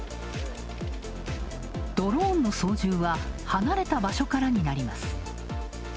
ドローンの操縦は離れた場所からになります。